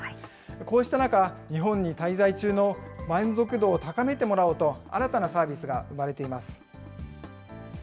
こうした中、日本に滞在中の満足度を高めてもらおうと、新たなサービスが生まれています。